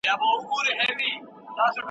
څنګه سفیران د خپل هېواد استازیتوب کوي؟